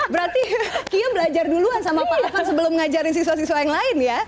berarti kia belajar duluan sama pak evan sebelum ngajarin siswa siswa yang lain ya